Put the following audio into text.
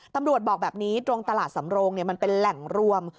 ตำรวจบอกแบบนี้ตรงตลาดสำโรงมันเป็นแหล่งรวม